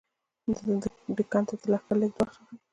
دکن ته د لښکر د لېږد وخت راغی.